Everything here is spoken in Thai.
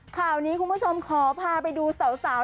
ข่าวนี้คุณผู้คมสวัสดิกิจขอพาไปดูสาว